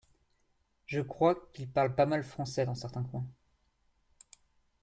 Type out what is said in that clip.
je crois qu’ils parlent pas mal français dans certains coins.